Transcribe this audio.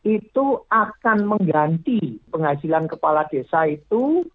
itu akan mengganti penghasilan kepala desa itu